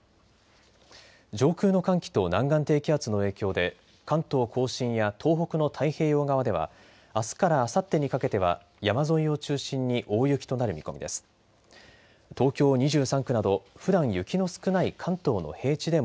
上空の寒気と南岸低気圧の影響で関東甲信や東北の太平洋側ではあすからあさってにかけては山沿いを中心に大雪となる見込みです。